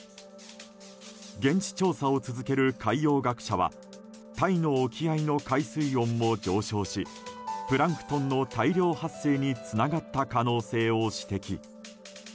現地調査を続ける海洋学者はタイの沖合の海水温も上昇しプランクトンの大量発生につながった可能性を指摘。